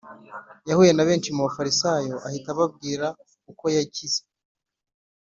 yahuye na benshi mu Bafarisayo ahita ababwira uko yakize.